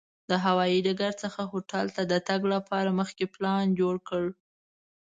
د هوایي ډګر څخه هوټل ته د تګ لپاره مخکې پلان جوړ کړه.